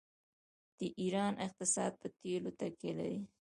د ایران اقتصاد په تیلو تکیه لري.